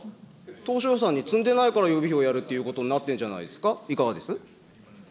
当初予算に積んでないから予備費をやるっていうことになってるんじゃないですか。